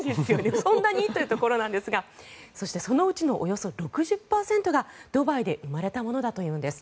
そんなにというところなんですがそしてそのうちのおよそ６０％がドバイで生まれたものだというんです。